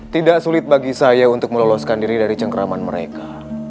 tidak sulit bagi saya untuk meloloskan diri dari cengkraman mereka